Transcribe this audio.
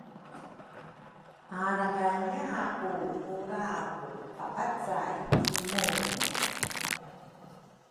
arakayaku ku lrabu papacay ki Muni.